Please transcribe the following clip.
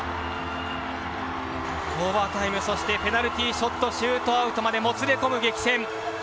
オーバータイムそして、ペナルティーショットシュートアウトまでもつれ込む激戦。